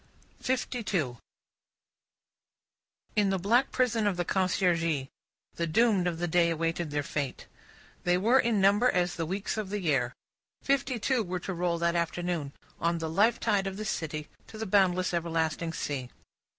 Fifty two In the black prison of the Conciergerie, the doomed of the day awaited their fate. They were in number as the weeks of the year. Fifty two were to roll that afternoon on the life tide of the city to the boundless everlasting sea.